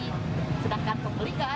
sedangkan pembeli nggak ada